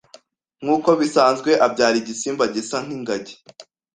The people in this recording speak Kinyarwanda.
nk’uko bisanzwe abyara igisimba gisa nk’ingagi.